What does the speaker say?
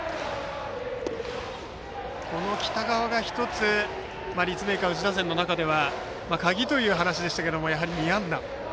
北川が１つ、立命館宇治打線の中では鍵という話でしたけどやはり２安打。